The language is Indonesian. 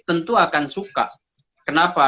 tentu akan suka kenapa